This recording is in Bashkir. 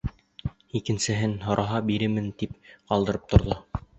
Икенсеһен, һораһа бирермен тип, ҡалдырып торҙо.